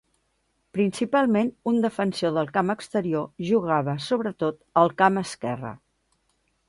Principalment un defensor del camp exterior, jugava sobre tot al camp esquerre.